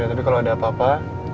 tapi kalau ada apa apa